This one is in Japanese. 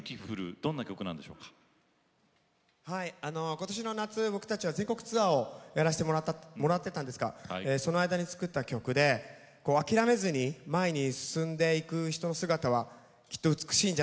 今年の夏僕たちは全国ツアーをやらしてもらってたんですがその間に作った曲で諦めずに前に進んでいく人の姿はきっと美しいんじゃないか。